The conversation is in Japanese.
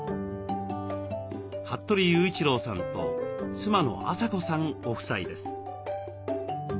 服部雄一郎さんと妻の麻子さんご夫妻です。